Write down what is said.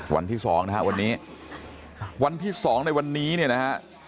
วันที่สองนะฮะวันนี้วันที่๒ในวันนี้เนี่ยนะฮะ